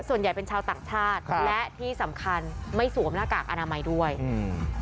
ส่วนใหญ่เป็นชาวต่างชาติครับและที่สำคัญไม่สวมหน้ากากอนามัยด้วยอืม